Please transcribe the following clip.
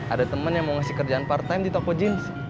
ada teman yang mau ngasih kerjaan part time di toko jeans